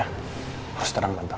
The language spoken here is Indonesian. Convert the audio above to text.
harus tenang tante